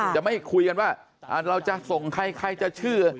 จะไม่คุยกันว่าเราจะส่งใครใครจะชื่อ